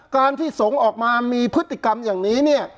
การที่สงออกมามีพฤติกรรมอย่างนี้ฮะ